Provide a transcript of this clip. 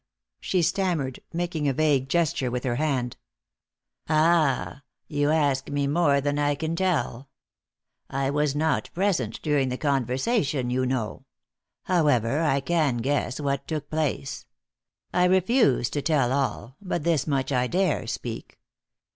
she stammered, making a vague gesture with her hand. "Ah! you ask me more than I can tell. I was not present during the conversation, you know. However, I can guess what took place. I refuse to tell all, but this much I dare speak.